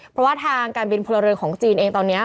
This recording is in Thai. เพราะว่าทางการบินพลเรือนของจีนเองตอนนี้